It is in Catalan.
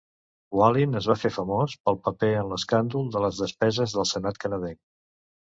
Wallin es va fer famós pel paper en l'escàndol de les despeses del Senat canadenc.